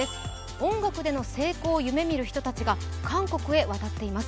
本国での成功を夢見る人たちが韓国に渡っています。